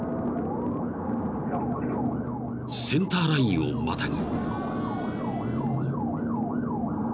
［センターラインをまたぎ］